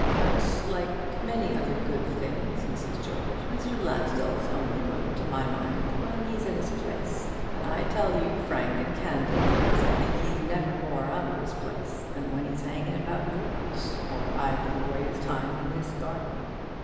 But, like a many other good things, Mrs. George, Mr. Lansdell's only good, to my mind, when he's in his place; and I tell you, frank and candid, as I think he's never more out of his place than when he's hanging about your house, or idling away his time in this garden.